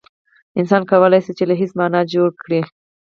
انسان کولای شي له هېڅه مانا جوړ کړي.